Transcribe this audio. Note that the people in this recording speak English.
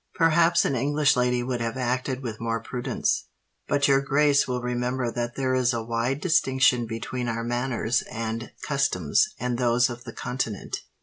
Perhaps an English lady would have acted with more prudence; but your grace will remember that there is a wide distinction between our manners and customs and those of the Continent.